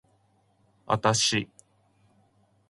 あたし